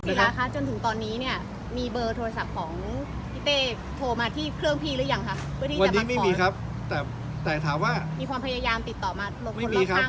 สีลาคะจนถึงตอนนี้เนี่ยมีเบอร์โทรศัพท์ของพี่เต้โทรมาที่เครื่องพี่หรือยังคะ